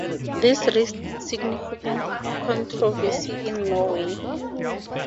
This raised significant controversy in Norway.